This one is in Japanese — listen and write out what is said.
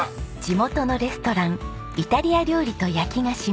地元のレストランイタリア料理と焼き菓子ｍａｔｓｕｍｕｒａ。